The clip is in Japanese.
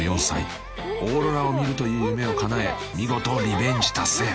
［オーロラを見るという夢をかなえ見事リベンジ達成］